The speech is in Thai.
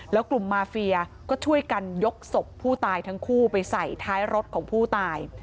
แล้วกลุ่มมาเฟียก็ช่วยกันยกศพผู้ตายทั้งคู่ไปใส่ท้ายรถของผู้ตาย